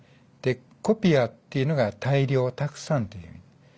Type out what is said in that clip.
で「コピア」っていうのが「大量」「たくさん」という意味。